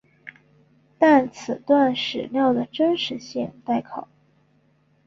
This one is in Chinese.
但此段史料的真实性待考。